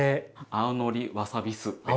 青のりわさび酢です。